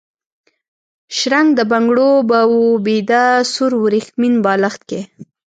شرنګ د بنګړو، به و بیده سور وریښمین بالښت کي